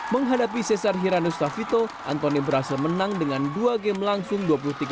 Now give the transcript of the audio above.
menghadapi cesar hirano stavito anthony berhasil menang dengan dua game langsung dua puluh tiga dua puluh satu dua puluh satu sepuluh